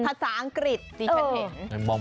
ภาษาอังกฤษที่ฉันเห็น